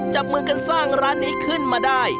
จับมือกันสร้างร้านนี้ขึ้นมาได้